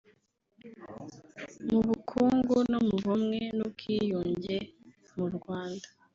mu bukungu no mu bumwe n’ubwiyunge mu Rwanda